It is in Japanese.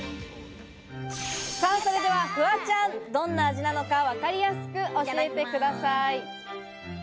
それではフワちゃん、どんな味なのか、わかりやすく教えてください。